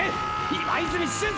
今泉俊輔！！